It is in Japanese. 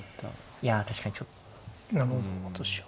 いや確かにちょっと。